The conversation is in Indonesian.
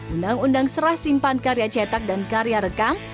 undang undang serah simpan karya cetak dan karya rekam